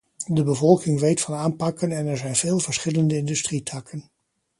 De bevolking weet van aanpakken en er zijn veel verschillende industrietakken.